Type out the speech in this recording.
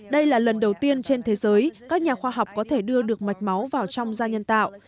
đây là lần đầu tiên trên thế giới các nhà khoa học có thể đưa được mạch máu vào trong da nhân tạo